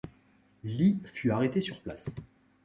Lee fut arrêté sur place.